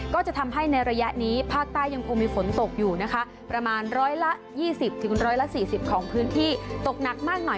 ก็จะทำให้ในระยะนี้ภาคใต้ยังคงมีฝนตกอยู่นะคะประมาณร้อยละ๒๐๑๔๐ของพื้นที่ตกหนักมากหน่อย